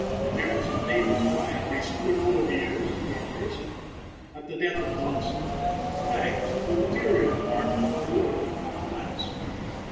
Jefferson Davis died recently full of years and honors. At the death of Thompson, the flags of the Interior Department were lowered half mast.